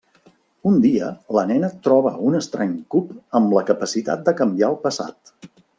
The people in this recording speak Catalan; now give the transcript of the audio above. Un dia la nena troba un estrany cub amb la capacitat de canviar el passat.